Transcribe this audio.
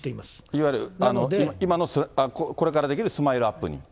いわゆる今の、これから出来るスマイルアップに？